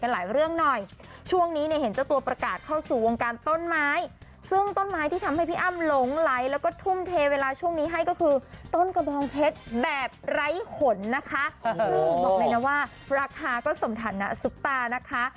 หลายเรื่องหน่อยช่วงนี้เนี่ยเห็นเจ้าตัวประกาศเข้าสู่วงการต้นไม้ซึ่งต้นไม้ที่ทำให้พี่อ้ำหลงไหลแล้วก็ทุ่มเทเวลาช่วงนี้ให้ก็คือต้นกระบองเพชรแบบไร้ขนนะคะซึ่งบอกเลยนะว่าราคาก็สมฐานะซุปตานะคะ